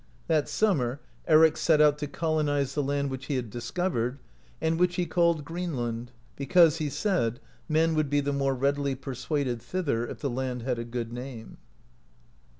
That summer Eric set out to colonize the land which he had discovered, and which he called Greenland, because, he said, men would be the more readily persuaded thither if the land had a good name.